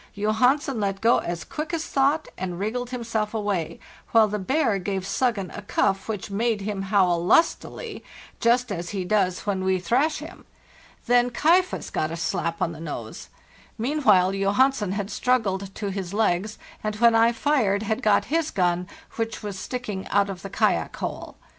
Johansen let go as quick as thought, and wriggled himself away, while the bear gave 'Suggen' a cuff which made him howl lustily, just as he does when we. thrash 332 LARIHE SL NORD him. Then ' Kaifas' got a slap on the nose. Meanwhile 8 Johansen had struggled to his legs, and when I fired had got his gun, which was sticking out of the kayak hole.